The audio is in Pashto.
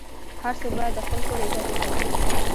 هر څوک باید د خپل کور عزت وساتي.